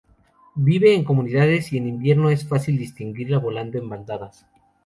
Vive en comunidades y en invierno es fácil distinguirla volando en bandadas.